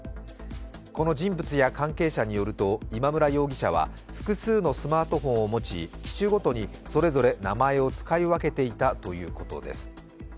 この人物や関係者によると今村容疑者は複数のスマートフォンを持ち機種ごとにそれぞれ名前を使い分けていたということです。